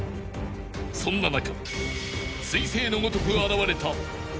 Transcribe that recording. ［そんな中］